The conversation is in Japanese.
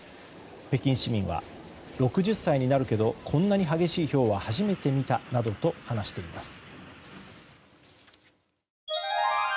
北京市民は６０歳になるけどこんなに激しいひょうは初めて見たなどと話しています。